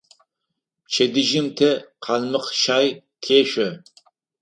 Пчэдыжьым тэ къалмыкъщай тешъо.